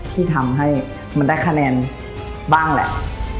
ที่ทำให้มันได้คะแนนบ้างแหละ